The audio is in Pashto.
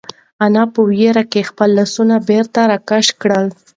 انا په وېره کې خپل لاسونه بېرته راکش کړل.